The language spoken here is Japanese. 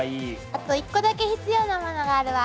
あと一個だけ必要なものがあるわ！